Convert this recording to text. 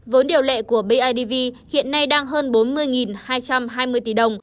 vốn điều lệ của bidv hiện nay đang hơn bốn mươi hai trăm hai mươi tỷ đồng